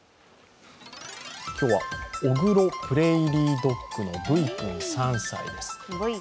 今日はオグロプレーリードッグのブイ君３歳です。